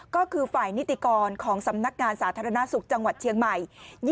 ก็คือฝ่ายนิติกรของสำนักงานสาธารณสุขจังหวัดเชียงใหม่